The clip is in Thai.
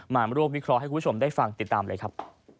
มาร่วมวิเคราะห์ให้คุณผู้ชมได้ฟังติดตามเลยครับ